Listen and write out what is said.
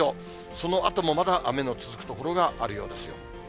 そのあともまだ雨の続く所があるようです。